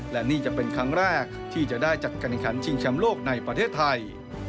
และนี่จะเป็นครั้งแรกที่จะได้จัดการขันชิงแชมป์โลกในประเทศไทย